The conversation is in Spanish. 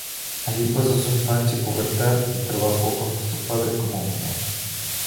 Allí pasó su infancia y pubertad y trabajó junto a su padre como minero.